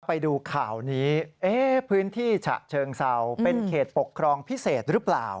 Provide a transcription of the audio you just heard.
ไปดูข่าวนี้พื้นที่ฉะเชิงเซาเป็นเขตปกครองพิเศษหรือเปล่า